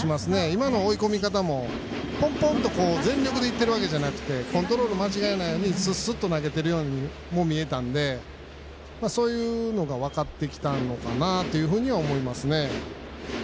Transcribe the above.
今の追い込み方もポンポンと全力でいってるんじゃなくてコントロール間違えないようにスッスッと投げてるようにも見えたんでそういうのが分かってきたのかなというふうに思いますね。